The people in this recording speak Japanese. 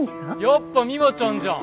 やっぱミワちゃんじゃん。